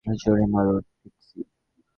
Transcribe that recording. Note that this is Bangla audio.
জোরে মারো, ট্রিক্সি।